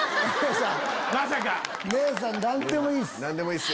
姉さん何でもいいっす。